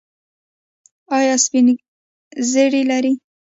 ایا سپین زیړی لرئ؟